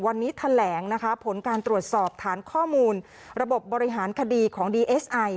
วันนี้แถลงนะคะผลการตรวจสอบฐานข้อมูลระบบบบริหารคดีของดีเอสไอ